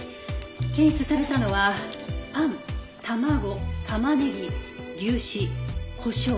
検出されたのはパン卵タマネギ牛脂コショウ。